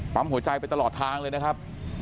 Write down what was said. หัวใจไปตลอดทางเลยนะครับ